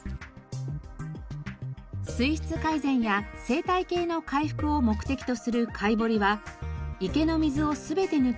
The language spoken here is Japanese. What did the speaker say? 水質改善や生態系の回復を目的とするかいぼりは池の水を全て抜き